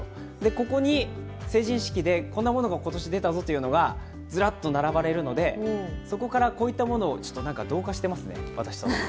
ここに成人式でこんなものが今年出たぞというのがズラっと並ばれるので、そこからこういったものをちょっと同化してますね、私と。